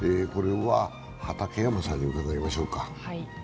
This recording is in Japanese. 畠山さんに伺いましょうか。